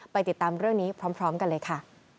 ติดตามเรื่องนี้พร้อมกันเลยค่ะ